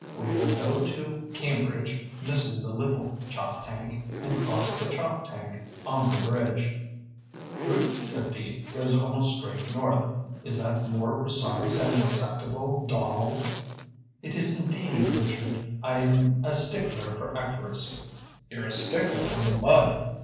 We will go to Cambridge, missing the Little Choptank, and cross the Choptank on the bridge. Route 50 goes almost straight north. Is that more precise and acceptable, Donald?" "It is indeed, Richard. I'm a stickler for accuracy." "You're a stickler in the mud.